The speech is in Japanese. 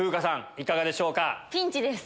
いかがでしょうか？